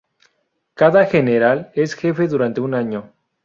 Cada general es jefe durante un año.